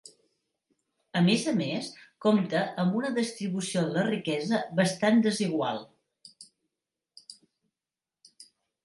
A més a més compta amb una distribució de la riquesa bastant desigual.